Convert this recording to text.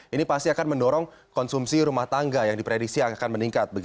ini pasti akan mendorong konsumsi rumah tangga yang diprediksi akan meningkat